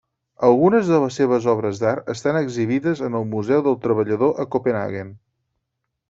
Algunes de les seves obres d'art estan exhibides en el Museu del Treballador a Copenhaguen.